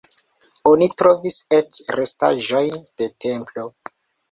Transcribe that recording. Oni trovis eĉ restaĵojn de templo.